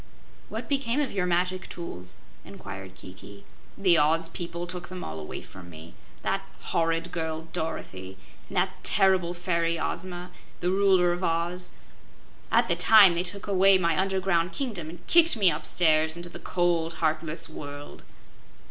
"What became of your magic tools?" inquired Kiki. "The Oz people took them all away from me that horrid girl, Dorothy, and that terrible fairy, Ozma, the Ruler of Oz at the time they took away my underground kingdom and kicked me upstairs into the cold, heartless world."